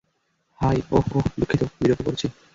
High - ওহ - ওহ, দুঃখিত বিরক্ত করছি।